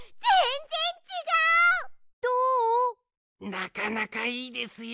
なかなかいいですよ。